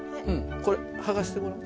これ剥がしてごらん。